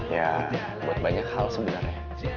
ya buat banyak hal sebenarnya